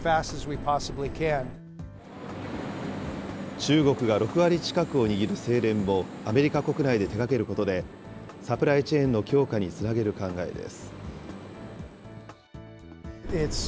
中国が６割近くを握る精錬もアメリカ国内で手がけることで、サプライチェーンの強化につなげる考えです。